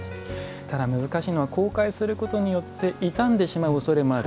ただ、難しいのは公開することによって傷んでしまう可能性がある。